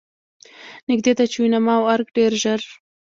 نږدې ده چې یوناما او ارګ ډېر ژر.